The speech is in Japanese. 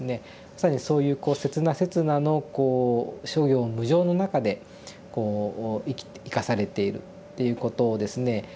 まさにそういうこう刹那刹那のこう諸行無常の中でこう生かされているっていうことをですね